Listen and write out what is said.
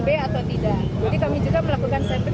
warnanya sekarang makin gelap kan pekat